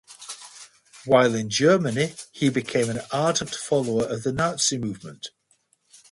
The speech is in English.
While in Germany he became an ardent follower of the Nazi movement.